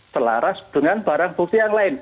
selaras dengan barang bukti yang lain